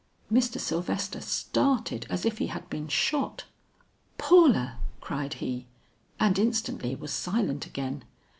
Mr. Sylvester started as if he had been shot. "Paula!" cried he, and instantly was silent again.